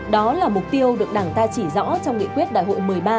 đó là mục tiêu được đảng ta chỉ rõ trong nghị quyết đại hội một mươi ba